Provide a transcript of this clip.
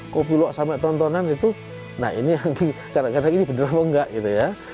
kopi luwak sampai tontonan itu nah ini yang karena ini bener apa enggak gitu ya